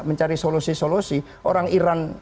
mencari solusi solusi orang iran